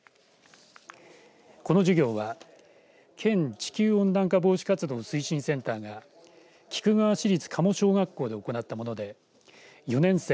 この授業は県地球温暖化防止活動推進センターが菊川市立加茂小学校で行ったもので４年生